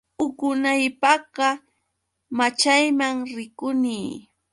Para paraptinqa, mana uqunaypaqqa, maćhayman rikuni.